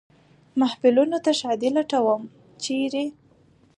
محفلونو ته ښادي لټوم ، چېرې ؟